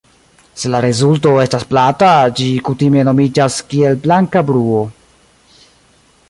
Se la rezulto estas plata, ĝi kutime nomiĝas kiel "blanka bruo".